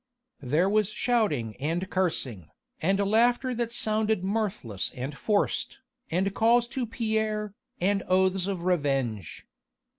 There was shouting and cursing, and laughter that sounded mirthless and forced, and calls to Pierre, and oaths of revenge.